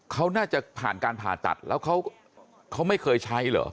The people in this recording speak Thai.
เขาน่าจะผ่านการผ่าตัดแล้วเขาไม่เคยใช้เหรอ